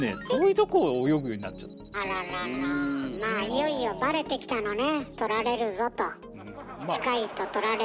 いよいよバレてきたのね取られるぞと。